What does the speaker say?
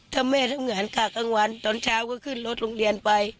ถ้าแม่ทำงานค่ะกลางวันตอนเช้าก็ขึ้นรถโรงเรียนไป